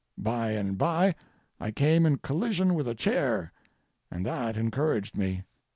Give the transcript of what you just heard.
By and by I came in collision with a chair and that encouraged me.